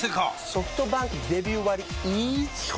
ソフトバンクデビュー割イズ基本